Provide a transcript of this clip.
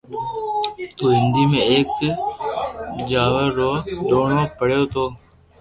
تو ھنڌي ۾ ايڪ چاور رو دوڻو پڙيو تو